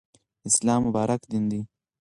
اسلام مبارک دین دی.